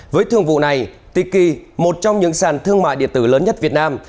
với thương vụ này tiki một trong những sàn thương mại điện tử lớn nhất việt nam